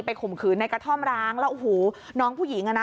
ข่มขืนในกระท่อมร้างแล้วโอ้โหน้องผู้หญิงอ่ะนะ